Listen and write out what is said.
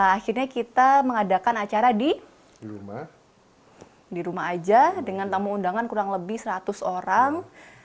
akhirnya kita mengadakan acara di rumah aja dengan tamu undangan kurang lebih seratus orang